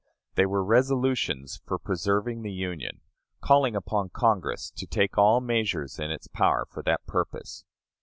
They were resolutions for preserving the Union, calling upon Congress to take all measures in its power for that purpose.